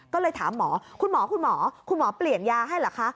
ก็เลยถามหมอคุณหมอคุณหมอคุณหมอเปลี่ยนยาให้เหรอคะ